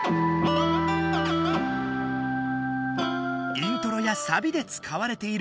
イントロやサビで使われている